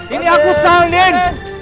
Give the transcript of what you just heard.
ini aku salah andin